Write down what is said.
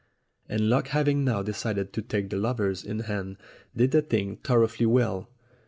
And luck having now decided to take the lovers in hand did the thing thoroughly well.